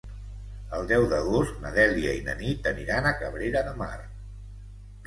El deu d'agost na Dèlia i na Nit aniran a Cabrera de Mar.